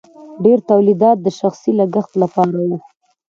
ډیر تولیدات د شخصي لګښت لپاره وو.